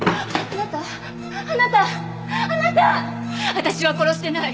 私は殺してない！